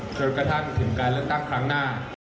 จนกระทั่งถึงการเลือกตั้งครั้งหน้า